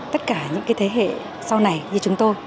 tất cả những thế hệ sau này như chúng tôi